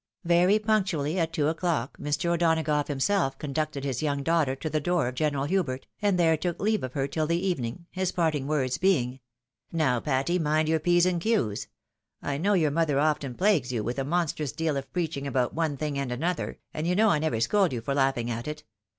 Very punctually at two o'clock Mr. O'Donagough himself conducted his young daughter to the door of General Hubert, and there took leave of her tUl the evening — his parting words being, " Now, Patty, mind your p's and q's. I know yoxur mother often plagues you with a monstrous deal of preaching about one thing and another, and you know I never scold you for laughing at it.